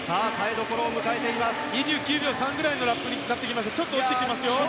２９秒３ぐらいのラップでちょっと落ちてきましたね。